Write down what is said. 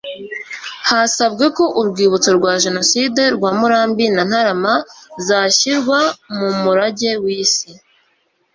hasabwe ko urwibutso rwa jenoside rwa murambi na ntarama zashyirwa mu murage w'isi